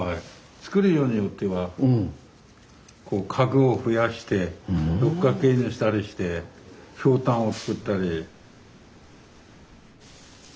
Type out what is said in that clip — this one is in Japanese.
作りようによっては角を増やして六角形にしたりしてひょうたんを作ったり。